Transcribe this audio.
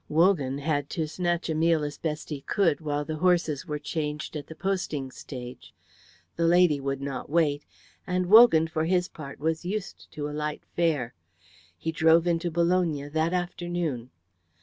Wogan had to snatch a meal as best he could while the horses were changed at the posting stage. The lady would not wait, and Wogan for his part was used to a light fare. He drove into Bologna that afternoon.